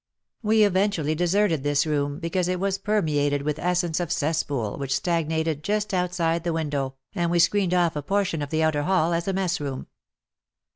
We eventually deserted this room, because it was permeated with essence of cesspool which stagnated just out side the window, and we screened off a portion of the outer hall as a mess room.